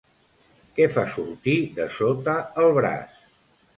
Què fa sortir de sota el braç?